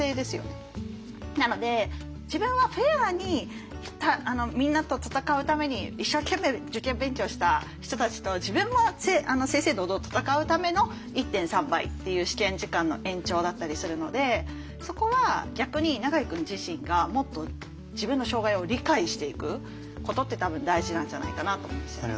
なので自分はフェアにみんなと戦うために一生懸命受験勉強した人たちと自分も正々堂々戦うための１．３倍っていう試験時間の延長だったりするのでそこは逆に永井君自身がもっと自分の障害を理解していくことって多分大事なんじゃないかなと思うんですよね。